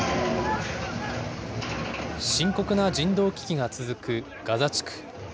深刻な人道危機が続くガザ地区。